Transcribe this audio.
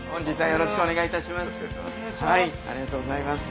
よろしくお願いします。